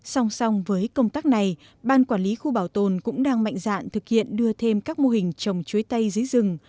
song song với công tác này ban quản lý khu bảo tồn cũng đang mạnh dạn thực hiện đưa thêm các mô hình trồng chuối tay dưới rừng